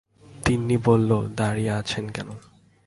তিন্নি বলল, দাঁড়িয়ে আছেন কেন?